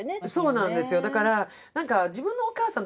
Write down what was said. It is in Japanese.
そうなんですよ。